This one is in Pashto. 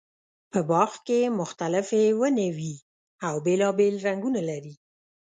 په باغ کې مختلفې ونې وي او بېلابېل رنګونه لري.